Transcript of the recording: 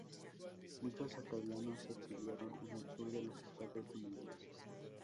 Muchos acadianos se exiliaron en el sur de los Estados Unidos.